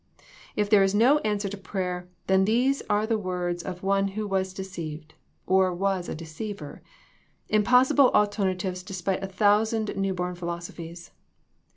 If there is no answer to prayer, then these are the words of One who was deceived, or was a deceiver — im possible alternatives despite a thousand new born philosophies.